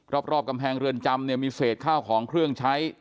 รอบกำแพงเรือนจำเนี่ยมีเศษข้าวของเครื่องใช้